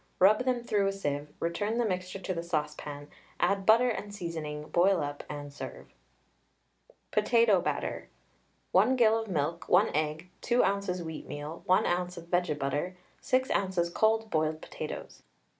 Rub them through a sieve, return the mixture to the saucepan, add butter and seasoning, boil up, and serve. POTATO BATTER. 1 gill of milk, 1 egg, 2 oz. wheatmeal, 1 oz. of vege butter, 6 oz. cold boiled potatoes.